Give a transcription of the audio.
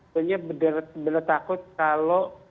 benar benar takut kalau